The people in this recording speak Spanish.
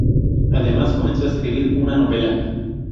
Además comenzó a escribir una novela.